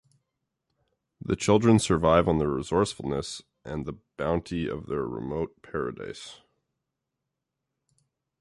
The children survive on their resourcefulness and the bounty of their remote paradise.